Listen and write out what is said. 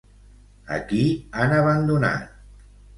A qui han abandonat?